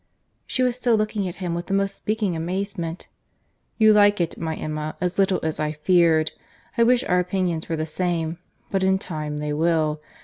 She was still looking at him with the most speaking amazement. "You like it, my Emma, as little as I feared.—I wish our opinions were the same. But in time they will.